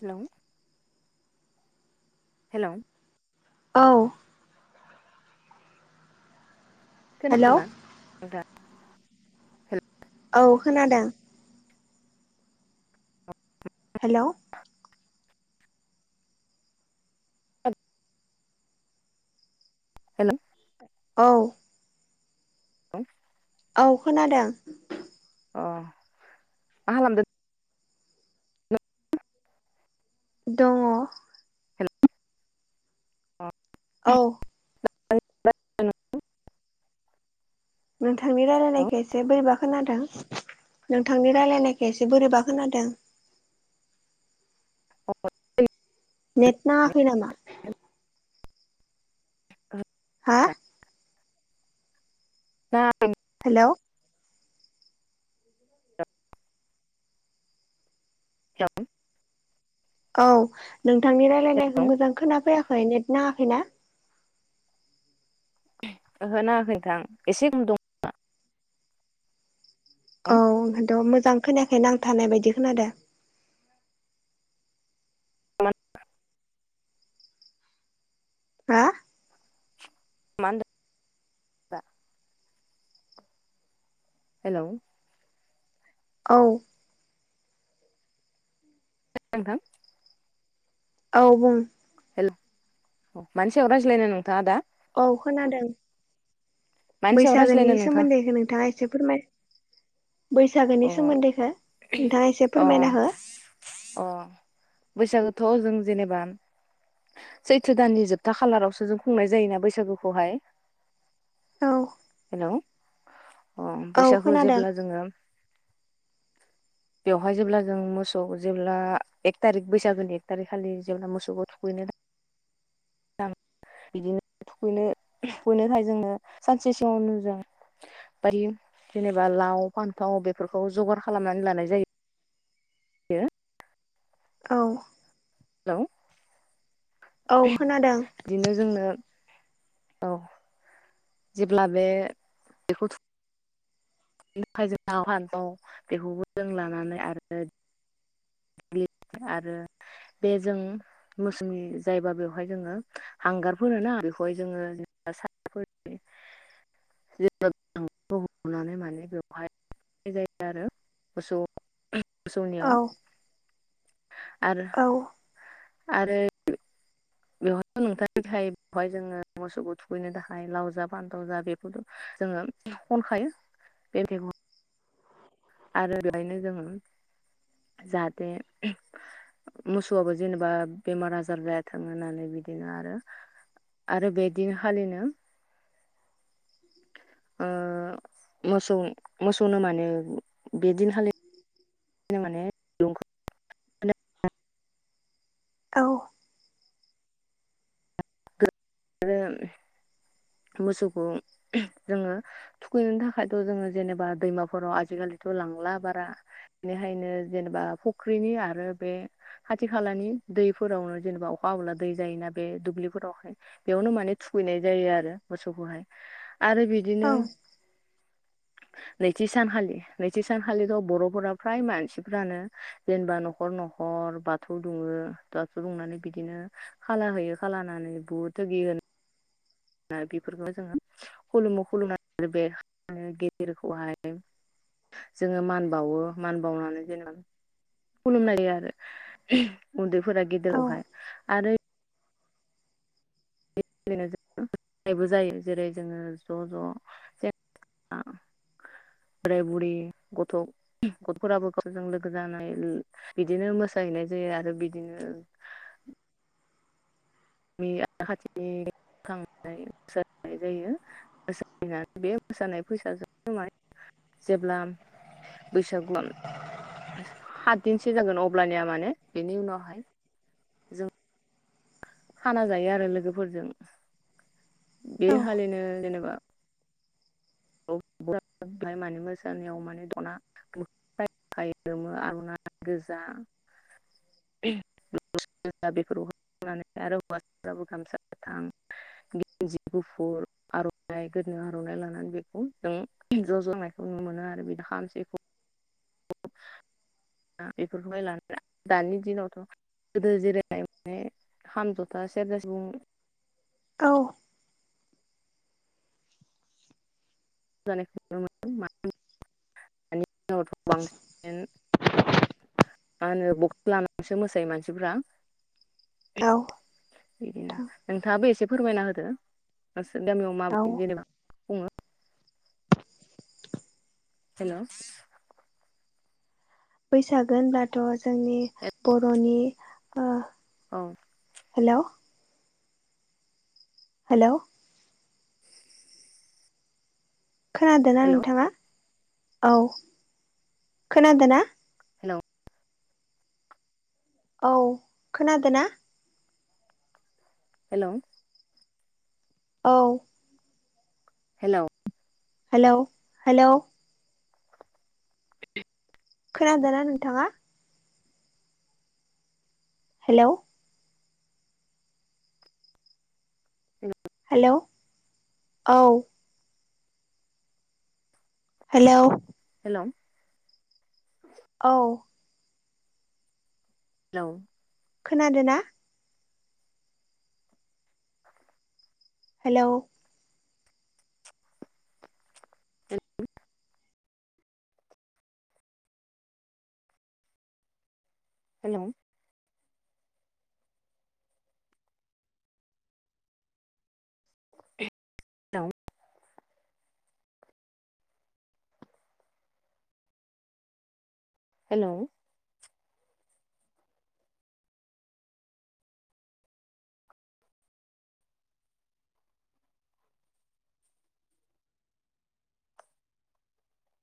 Hello hello औ hello खोनादोंना नोंथां? हेल' औ खोनादों। हेलौ हेल' औ [unintelligible] औ खोनादों ओ मा खालामदो? दङ हेलौ अ औ [unintelligible] नोंथांनि रायलायनायखौ एसे बोरैबा खोनादों नोंथांनि रायलायनाय एसे बोरैबा खोनादों। [unintelligible] नेट नाङाखै नामा? हा [unintelligible] हेलौ [unintelligible] औ नोंथांनि रायलायनायखौ मोजां खोनाफैयाखै। नेट नाङाखैना? उहो नाङाखै नोंथां। एसे गम दं औ ओंखायथ' मोजां खोनायाखै नांथानाय बायदि खोनादों। [unintelligible] हा मा होनदो [unintelligible] हेलौ औ [unintelligible] नोंथां औ बुं हेल' मानि सायाव रायज्लायनो नोंथाङा आ दा? औ खोनादों। मानि सायाव बैसागुनि रायज्लायनो नोंथां सोमोन्दैखौ नोंथाङा एसे फोरमाय अ बैसागुनि सोमोन्दैखौ नोंथाङा एसे अ फोरमायना हो। अ बैसागुथ' जों जेनेबा सैथ्र दाननि जोबथा खालारावसो जों खुंनाय जायोना बैसागुखौहाय। औ हेलौ अ' औ बैसागो खोनादों जेब्ला जोङो [inaudible] बेवहाय जेब्ला जों मोसौ जेब्ला एक थारिख बैसागोनि एक थारिक खालि जेब्ला मोसौखौ थुखैनो [inaudible] [unintelligible] बिदिनो थुखैनो थुखैनो थाखाय जोङो सानसे सिङावनो जों बारै जेनेबा लाव फानथाव बेफोरखौ जगार खालामनानै लानाय जायो। [unintelligible] औ हेलौ औ खोनादों बिदिनो जोंनो औ जेब्ला बे बेखौ बिनि थाखाय जों नाव हान दं बेखौबो जों लानानै आरो [unintelligible] बे जों मोसुमि जायोबा बेवहाय जोङो हांगारफोर ना बेवहाय जोङो [unintelligible] [inaudible] [unintelligible] नानै माने बेवहायनाय जायो आरो मोसौ औ मोसौनियाव आरो औ आरो बेवहाय नोंथां बेवहाय जोङो मोसौखौ थुखैनो थाखाय लाव जा बान्थाव जा बेफोर जोङो खनखायो बे मैगं आरो बेहायनो जोङो जाहाथे मोसौआबो जेनेबा बेमार आजार जायाथों होनानै बि आरो आरो बे दिनखालिनो ओ मोसौ मोसौनो माने बेदिनखालि बिदिनो माने दुरूंखौ औ आरो मोसौखौ जोङो थुखैनो थाखायथ' जोङो जेनेबा दैमाफोराव आजिखालि थ' लांला बारा बेनिखायनो जेनेबा फुख्रिनि आरो बे खाथि खालानि दैफोरावनो जेनेबा अखा हाबोला दै जायोना बे दुब्लिफोरावहाय बेयावनो माने थुगैनाय जायो आरो मोसौखौहाय। आरो औ बिदिनो [inaudible] नैथि सानखालि नैथि सानखालिथ' बर'फोरा फ्राय मानसिफ्रानो जेनेबा न'खर न'खर हर बाथौ दुङो बाथौ दुंनानै बिदिनो खाला होयो खाला होननानै बुट [unintelligible] ना बेफोरखौ जोङो खुलुमु खुलुमनानै बे गेदेरखौहाय जोङो मान बावो मान बावनानै जेनेबा खुलुमनायो आरो उन्दैफोरा औ गेदेरावहाय आरो [unintelligible] नायबो जायो जेरै जोङो ज' ज' जेनेबा बोराय बुरि गथ' गथ'फोराबोजों लोगो जानाय बिदिनो मोस साहैनाय जायो आरो बिदिनो [inaudible] बे [unintelligible] जायो [unintelligible] बे मोसानाय फैसाजों माने जेब्ला बैसागुआ सात दिनसो जागोन अब्लानिया माने बेनि उनाव हाय जों खाना जायो आरो लोगोफोरजों बे खालिनो जेनेबा [unintelligible] माने मोसानायाव माने दना [unintelligible] गोजा [unintelligible] बेफोर आरो हौवासाफोराबो गामसा गोथां गेन्जि गुफुर आरनाइ गोद आरनाइ लानानै बेखौ जों ज जनायखौ नु मोनो आरो बिदि खाम सिफुं। [inaudible] इफोरखौ हाय लाला दानि दिनावथ गोदो जैरै माने खाम जथा सेेरजा बुं औ। [unintelligible] मा होनो बक लानानैसो मोसायो मानसिफ्रा नोंथाङाबो एसे फोरमायना होदो। औ [unintelligible] हेल बैसाग होनब्लाथ जोंनि बरनि औ हेल हेल खोनादोंना हेल' नोंथाङा औ खोनादों ना? हेलो औ खोनादो ना। हेल औ हेल हेल हेल खोनादो ना नोंथाङा? हेल हेलौ औ हेलौ हेलौ औ हेल खोनादोना? हेल [unintelligible] हेल हेल हेल